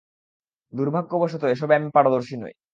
দূর্ভাগ্যবশত এসবে আমি পারদর্শী নই।